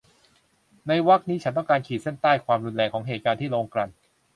ในวรรคนี้ฉันต้องการขีดเส้นใต้ความรุนแรงของเหตุการณ์ที่โรงกลั่น